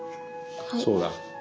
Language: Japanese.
そうだ。